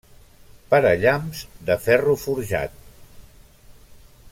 Parallamps de ferro forjat.